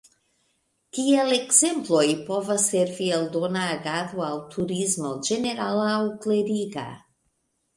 Kiel ekzemploj povas servi eldona agado aŭ turismo (ĝenerala aŭ kleriga).